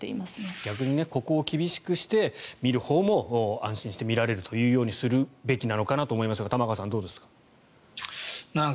逆にここを厳しくして見るほうも安心して見られるようにするべきなのかなと思いますけど玉川さん、どうですか？